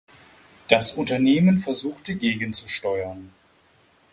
Das Unternehmen versuchte gegenzusteuern.